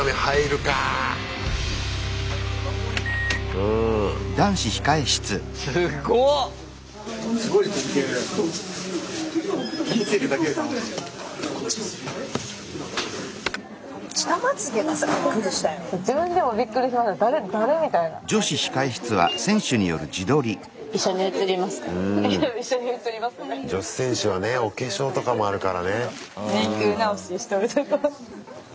うん女子選手はねお化粧とかもあるからね。